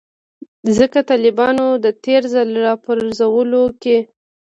ځکه د طالبانو د تیر ځل راپرځولو کې